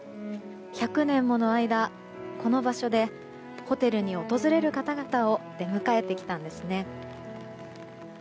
１００年もの間、この場所でホテルに訪れる方々を出迎えてきたんです。